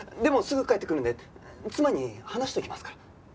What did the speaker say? でもすぐ帰ってくるんで妻に話しておきますから。